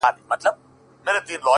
• له رباب څخه به هېر نوم د اجل وي ,